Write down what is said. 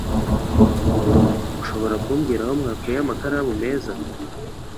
Ushobora kumbwira aho mwakuye aya makaramu meza?